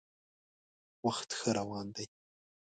وخت ښه روان دی.